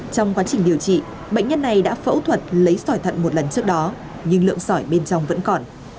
trong quá trình điều trị bệnh nhân này đã phẫu thuật lấy sỏi thận một lần trước đó nhưng lượng sỏi bên trong vẫn còn